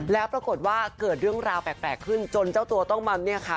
แล้วปรากฏว่าเกิดเรื่องราวแปลกขึ้นจนเจ้าตัวต้องมาเนี่ยค่ะ